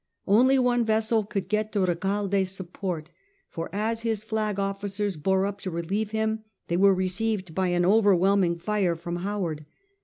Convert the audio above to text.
Only one vessel could get to Recalde's support^ for as his flag officers bore up to relieve him, they were received by an overwhelming fire from Howard.